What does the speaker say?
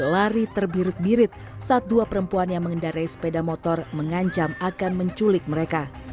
lari terbirit birit saat dua perempuan yang mengendarai sepeda motor mengancam akan menculik mereka